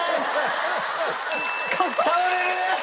倒れる！